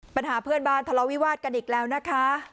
ปัญหาเพื่อนบ้านทะเลาวิวาสกันอีกแล้วนะคะ